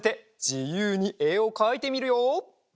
じゆうにえをかいてみるよ！